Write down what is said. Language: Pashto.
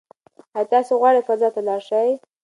ایا تاسي غواړئ فضا ته لاړ شئ؟